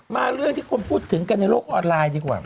เรื่องที่คนพูดถึงกันในโลกออนไลน์ดีกว่า